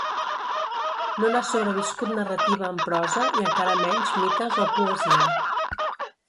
No n'ha sobreviscut narrativa en prosa, i encara menys mites o poesia.